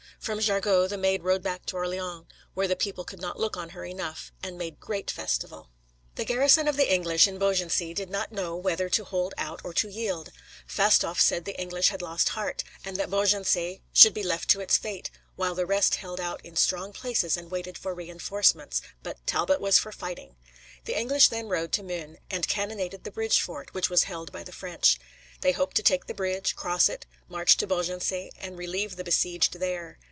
From Jargeau the Maid rode back to Orleans, where the people could not look on her enough, and made great festival. The garrison of the English in Beaugency did not know whether to hold out or to yield. Fastolf said that the English had lost heart, and that Beaugency should be left to its fate, while the rest held out in strong places and waited for re enforcements, but Talbot was for fighting. The English then rode to Meun, and cannonaded the bridge fort, which was held by the French. They hoped to take the bridge, cross it, march to Beaugency, and relieve the besieged there.